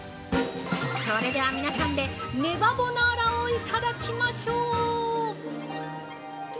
それでは皆さんで、ねばボナーラをいただきましょう！